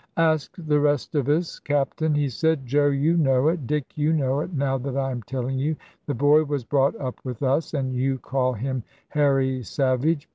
"Ask the rest of us, Captain," he said; "Joe, you know it; Dick, you know it; now that I am telling you. The boy was brought up with us, and you call him Harry Savage.